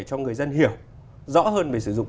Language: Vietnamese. cho người dân hiểu rõ hơn về sử dụng